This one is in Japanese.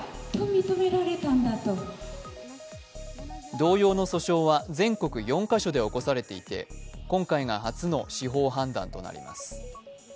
同様の訴訟は全国４か所で起こされていて今回が初の司法判断となります。